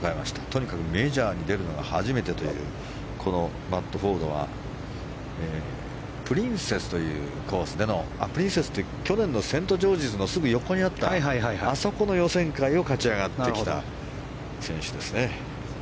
とにかくメジャーに出るのが初めてというこのマット・フォードはプリンセスという去年のセントジョージズのすぐ横にあったあそこの予選会を勝ち上がってきた選手ですね。